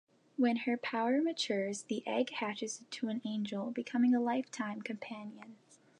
When her power matures, the egg hatches into an angel, becoming a lifetime companion.